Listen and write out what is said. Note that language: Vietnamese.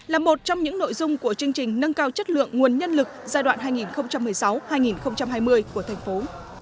là một trong những nội dung của chương trình nâng cao chất lượng nguồn nhân lực giai đoạn hai nghìn một mươi sáu hai nghìn hai mươi của thành phố